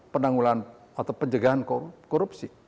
penanggulan atau penjagaan korupsi